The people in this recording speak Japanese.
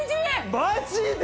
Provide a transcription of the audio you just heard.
マジで？